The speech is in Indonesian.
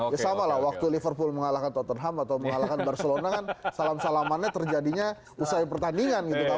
ya sama lah waktu liverpool mengalahkan tottenham atau mengalahkan barcelona kan salam salamannya terjadinya usai pertandingan gitu